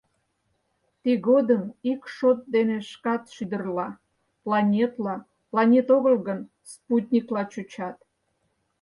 Тыгодым ик шот дене шкат шӱдырла, планетла, планет огыл гын, спутникла чучат.